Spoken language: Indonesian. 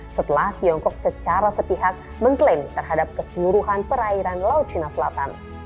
setelah tiongkok secara sepihak mengklaim terhadap keseluruhan perairan laut cina selatan